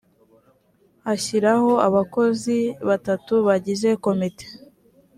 ashyiraho abakozi batatu bagize komite